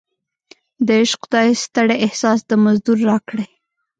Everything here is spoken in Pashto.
د عشق خدای ستړی احساس د مزدور راکړی